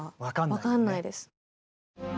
分かんないです。